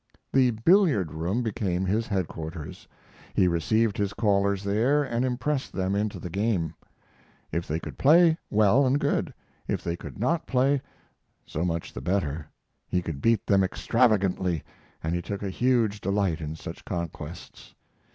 The billiard room became his headquarters. He received his callers there and impressed them into the game. If they could play, well and good; if they could not play, so much the better he could beat them extravagantly, and he took a huge delight in such conquests.